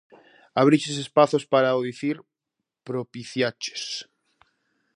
Abriches espazos para o dicir, propiciaches.